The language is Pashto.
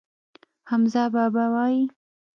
حمزه بابا وايي.